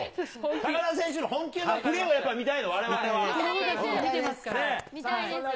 高田選手の本気のプレーをやっぱ見たいの、われわれは。